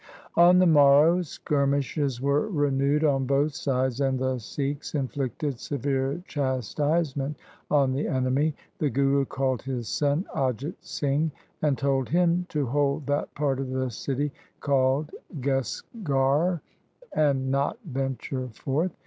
On the morrow skirmishes were renewed on both sides, and the Sikhs inflicted severe chastisement on the enemy. The Guru called his son Ajit Singh, and told him to hold that part of the city called Kesgarh and not venture forth.